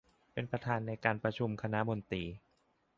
เป็นประธานในการประชุมคณะมนตรี